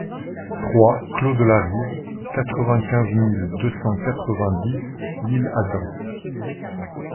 trois clos de la Rive, quatre-vingt-quinze mille deux cent quatre-vingt-dix L'Isle-Adam